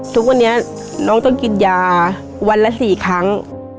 ทุกวันนี้น้องต้องกินยาวันละ๔ครั้ง